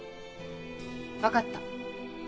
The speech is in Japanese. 分かった。